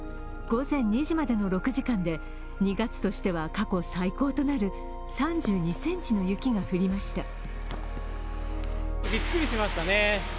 午前２時までの６時間で２月としては過去最高となる３２ｃｍの雪が降りました。